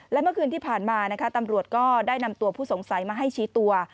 และเมื่อคืนที่ผ่านมานะคะตำรวจก็ได้นำตัวผู้สงสัยมาให้ชี้ตัว